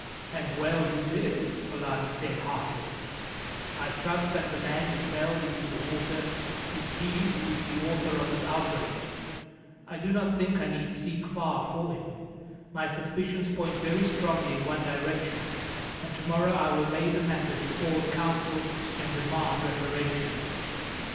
"And well you did it," Polani said heartily. "I trust that the man you felled into the water is he who is the author of this outrage. I do not think I need seek far for him. My suspicions point very strongly in one direction, and tomorrow I will lay the matter before the council and demand reparation."